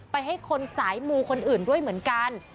ให้คนสายมูคนอื่นด้วยเหมือนกัน